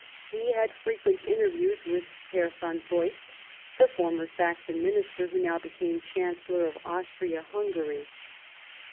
He had fre quent interviews with Herr von Beust, the former Saxon Minister, now become Chancellor of Austria Hungary.